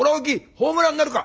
ホームランになるか？